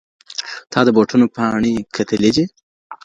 تا د بوټو پاڼې کتلې دي؟